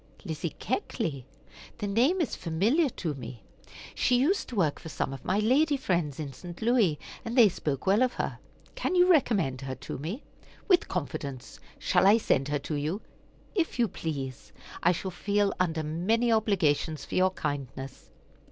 "Lizzie Keckley? The name is familiar to me. She used to work for some of my lady friends in St. Louis, and they spoke well of her. Can you recommend her to me?" "With confidence. Shall I send her to you?" "If you please. I shall feel under many obligations for your kindness."